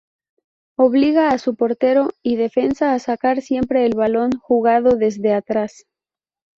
Obliga a su portero y defensa a sacar siempre el balón jugado desde atrás.